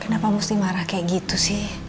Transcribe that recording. kenapa mesti marah kayak gitu sih